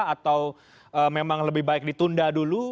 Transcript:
atau memang lebih baik ditunda dulu